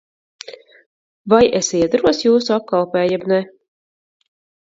Vai es iederos jūsu apkalpē jeb ne?